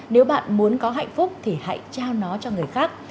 nếu bạn muốn có hạnh phúc thì hãy trao nó cho người khác